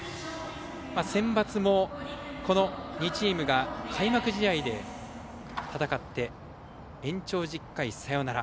センバツも、この２チームが開幕試合で戦って延長１０回サヨナラ。